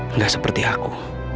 nggak seperti aku